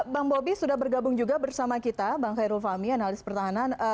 bang bobi sudah bergabung juga bersama kita bang khairul fahmi analis pertahanan